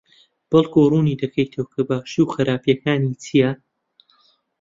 بەڵکو ڕوونی دەکەیتەوە کە باشی و خراپییەکانی چییە؟